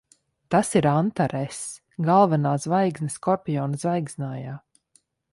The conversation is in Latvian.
Tas ir Antaress. Galvenā zvaigzne Skorpiona zvaigznājā.